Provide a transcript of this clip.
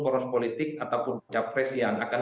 koros politik ataupun cawapres yang akan